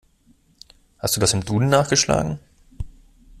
Hast du das im Duden nachgeschlagen?